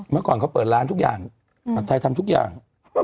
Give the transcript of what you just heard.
เมื่อก่อนเขาเปิดร้านทุกอย่างผัดไทยทำทุกอย่าง